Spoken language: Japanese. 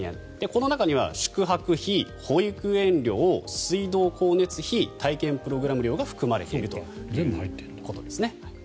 この中には宿泊費、保育園料、水道光熱費体験プログラム料が含まれているということですね。